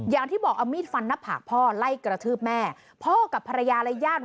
อย่างที่บอกเอามีดฟันหน้าผากพ่อไล่กระทืบแม่พ่อกับภรรยาและญาติ